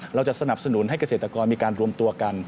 เราจะสนับสนุนให้เกษตรกรมีการรวมตัวกัน